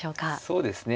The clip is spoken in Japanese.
そうですね。